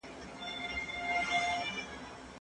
بریالیو خلګو له پخوانیو تېروتنو پند اخیستی دی.